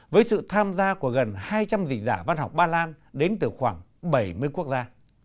với sự tham gia của gần hai trăm linh dì giả văn học ba lan đến từ khoảng bảy mươi quốc gia